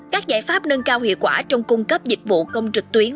các giải pháp nâng cao hiệu quả trong cung cấp dịch vụ công trực tuyến